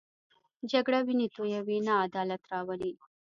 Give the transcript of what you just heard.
جګړه وینې تویوي، نه عدالت راولي